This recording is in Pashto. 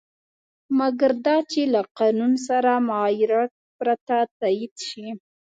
مګر دا چې له قانون سره مغایرت پرته تایید شي.